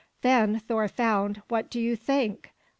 Then Thor found what do you think?